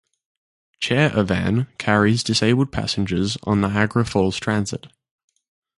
Chair-A-Van carries disabled passengers on Niagara Falls Transit.